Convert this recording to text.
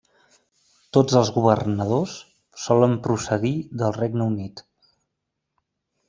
Tots els governadors solen procedir del Regne Unit.